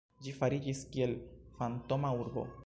Ĝi fariĝis kiel fantoma urbo.